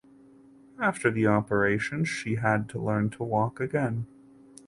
After the operations she had to learn to walk again.